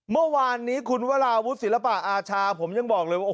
เมื่อวานนี้คุณวราวุฒิศิลปะอาชาผมยังบอกเลยว่า